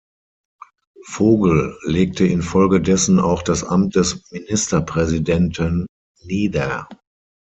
Vogel legte infolgedessen auch das Amt des Ministerpräsidenten nieder.